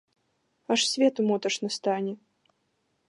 Аж свету моташна стане!